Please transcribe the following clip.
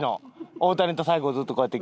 大谷と最後ずっとこうやって。